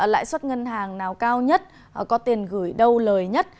lãi suất ngân hàng nào cao nhất có tiền gửi đâu lời nhất